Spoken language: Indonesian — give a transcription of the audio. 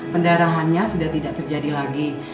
pendarahannya sudah tidak terjadi lagi